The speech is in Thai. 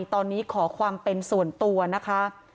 ตอนนี้ขอความเป็นส่วนตัวนะคะ